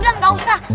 udah udah gak usah